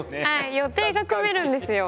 予定が組めるんですよ。